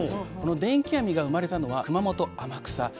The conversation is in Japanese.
この電気網が生まれたのは熊本・天草。